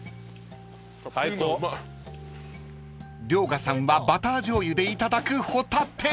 ［遼河さんはバターじょうゆでいただくホタテ］